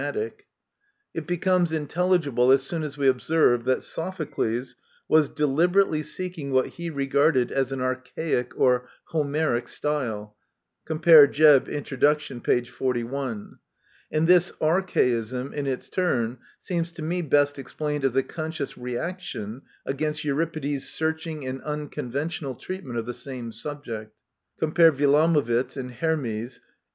It Digitized by VjOOQIC INTRODUCTION vii becomes intelligible as soon as we observe that Sopho cles was deliberately seeking what he regarded as an archaic or Homeric *' style (cf, Jebb, Introd. p. xli.).; and this archaism, in its turn, seems to me best explained as a conscious reaction against Euripides^ searching and unconventional treatment of the same subject (cf. Wilamowitz in Hermesy xviii.